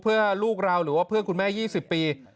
เพื่อลูกเราหรือว่าเพื่อนคุณแม่๒๐ปี